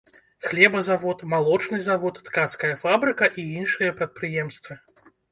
Хлебазавод, малочны завод, ткацкая фабрыка і іншыя прадпрыемствы.